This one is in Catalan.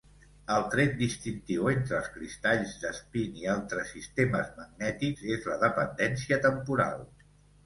El tret distintiu entre els cristalls d'espín i altres sistemes magnètics és la dependència temporal.